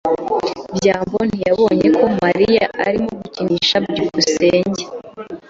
byambo ntiyabonye ko Mariya arimo gukinisha. byukusenge